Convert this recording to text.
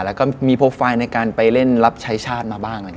แล้วก็มีโปรไฟล์ในการไปเล่นรับใช้ชาติมาบ้าง